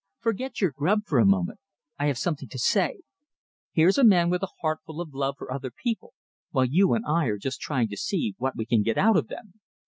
"Forget your grub for a moment, I have something to say. Here's a man with a heart full of love for other people while you and I are just trying to see what we can get out of them!